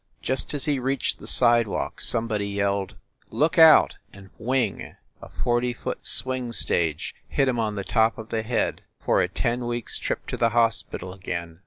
Just as he reached the sidewalk somebody yelled "Look out!" and whing! a forty foot swing stage hit him on the top of the head for a ten week s trip to the hospital again.